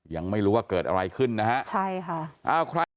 ยังไม่รู้ว่าเกิดอะไรขึ้นนะครับ